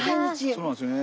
そうなんですよね。